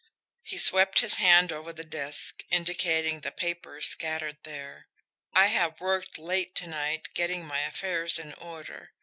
He swept his hand over the desk, indicating the papers scattered there. "I have worked late to night getting my affairs in order.